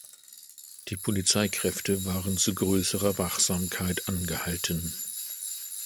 Die Polizeikräfte waren zu größerer Wachsamkeit angehalten.